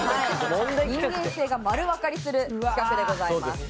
人間性が丸わかりする企画でございます。